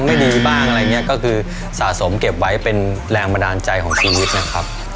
ไม่ดีบ้างอะไรอย่างนี้ก็คือสะสมเก็บไว้เป็นแรงบันดาลใจของชีวิตนะครับ